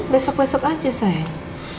besok besok aja sayang